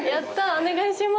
お願いします。